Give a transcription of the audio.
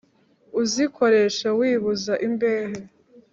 uzikoresha wibuza imbehe!